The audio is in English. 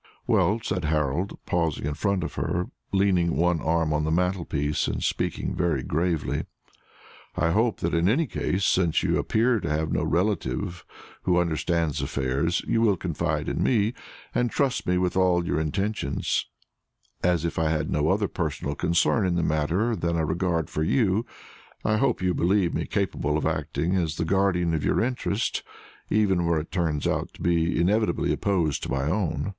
"Well," said Harold, pausing in front of her, leaning one arm on the mantelpiece, and speaking very gravely, "I hope that in any case, since you appear to have no near relative who understands affairs, you will confide in me, and trust me with all your intentions as if I had no other personal concern in the matter than a regard for you. I hope you believe me capable of acting as the guardian of your interest, even where it turns out to be inevitably opposed to my own."